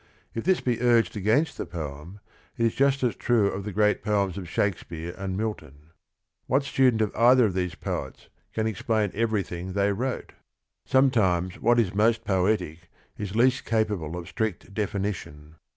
If this be urged against the poem, it is just as true of the great poems of Shakespeare and Milton. What student of either of these poets can ex plain everything they wrote? Sometimes what is most poetic is least capable of strict definition.